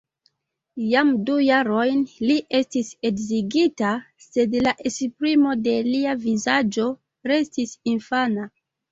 Jam du jarojn li estis edzigita, sed la esprimo de lia vizaĝo restis infana.